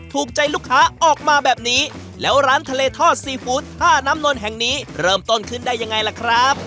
ถูกใจลูกค้าออกมาแบบนี้แล้วร้านทะเลทอดซีฟู้ดท่าน้ำนนแห่งนี้เริ่มต้นขึ้นได้ยังไงล่ะครับ